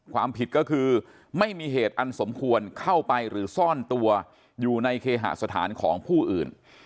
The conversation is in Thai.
ความผิดก็คือไม่มีเหตุอันสมควรเข้าไปหรือซ่อนตัวอยู่ในเคหสถานของผู้อื่น